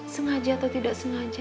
sengaja atau tidak sengaja